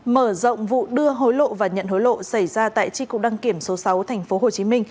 mở rộng vụ đưa hối lộ và nhận hối lộ xảy ra tại tri cục đăng kiểm số sáu tp hcm